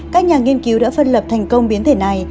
các nhà nghiên cứu đã phân lập thành công biến thể này